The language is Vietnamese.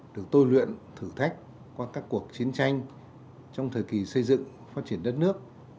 được tôi luyện thử thách qua các cuộc chiến tranh trong thời kỳ xây dựng phát triển đất nước